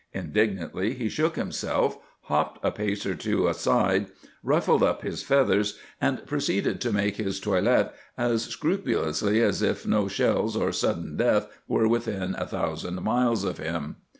Indignantly he shook himself, hopped a pace or two aside, ruffled up his feathers, and proceeded to make his toilet as scrupulously as if no shells or sudden death were within a thousand miles of him.